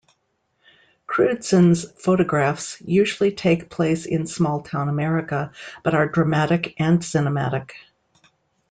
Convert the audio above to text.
Crewdson's photographs usually take place in small-town America, but are dramatic and cinematic.